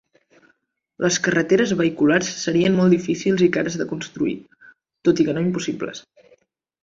Les carreteres vehiculars serien molt difícils i cares de construir, tot i que no impossibles.